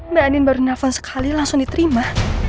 mbak andin baru nelfon sekali langsung diterima